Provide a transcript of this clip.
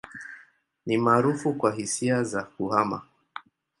Ni maarufu kwa hisia za kuhama.